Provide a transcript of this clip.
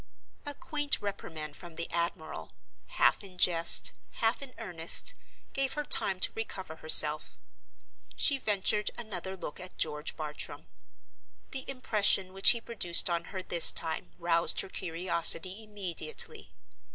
A quaint reprimand from the admiral, half in jest, half in earnest, gave her time to recover herself. She ventured another look at George Bartram. The impression which he produced on her this time roused her curiosity immediately.